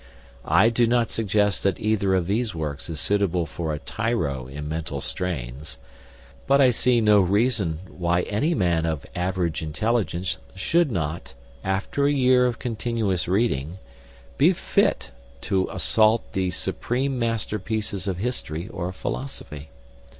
I do not suggest that either of these works is suitable for a tyro in mental strains. But I see no reason why any man of average intelligence should not, after a year of continuous reading, be fit to assault the supreme masterpieces of history or philosophy.